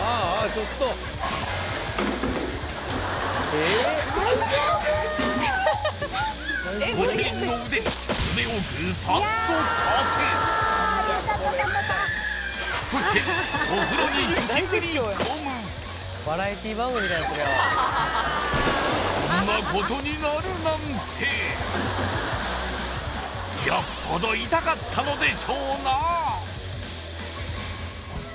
ちょっとご主人の腕に爪をグサッと立てそしてお風呂にこんなことになるなんていや痛いでしょうね